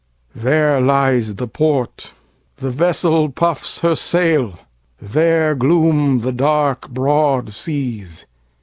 There lies the port; the vessel puffs her sail:There gloom the dark broad seas.